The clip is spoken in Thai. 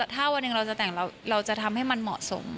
ถ้าวันหนึ่งเราจะแต่งเราจะทำให้มันเหมาะสม